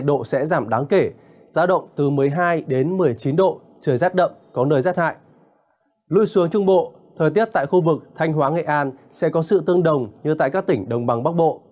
lui xuống trung bộ thời tiết tại khu vực thanh hóa nghệ an sẽ có sự tương đồng như tại các tỉnh đồng bằng bắc bộ